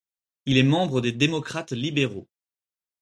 Il est membre des Démocrates libéraux.